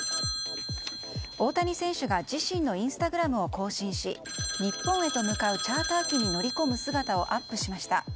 大谷選手が自身のインスタグラムを更新し日本へと向かうチャーター機に乗り込む姿をアップしました。